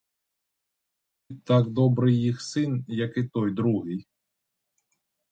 Ти так добрий їх син, як і той другий!